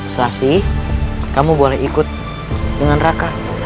selasih kamu boleh ikut dengan raka